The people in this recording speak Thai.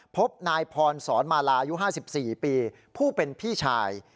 พบนายพรสอนมาลายุ๕๔ปีผู้เป็นพี่ชาย